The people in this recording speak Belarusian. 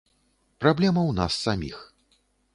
Праблема ў нас саміх.